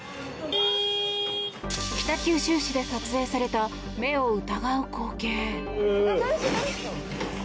北九州市で撮影された目を疑う光景。